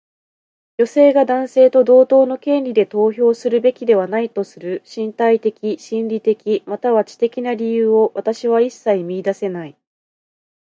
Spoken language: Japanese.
女性が男性と同等の権利で投票するべきではないとする身体的、心理的、または知的な理由を私は一切見いだせない。